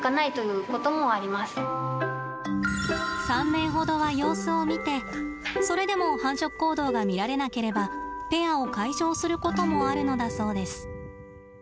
３年ほどは様子を見てそれでも繁殖行動が見られなければペアを解消することもあるのだそうです。